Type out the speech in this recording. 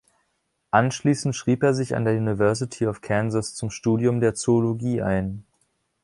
Anschließend schrieb er sich an der University of Kansas zum Studium der Zoologie ein.